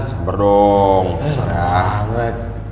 sabar dong ntar ya